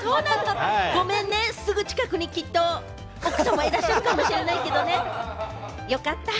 ごめんね、すぐ近くにきっと奥様いらっしゃるかもしれないけれどもね、よかった。